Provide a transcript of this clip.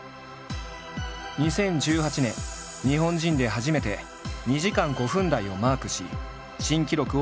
２０１８年日本人で初めて２時間５分台をマークし新記録を樹立。